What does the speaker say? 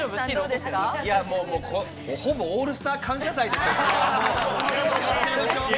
ほぼ『オールスター感謝祭』ですよ、これはもう。